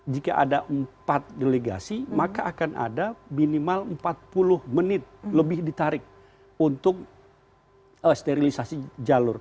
jika ada empat delegasi maka akan ada minimal empat puluh menit lebih ditarik untuk sterilisasi jalur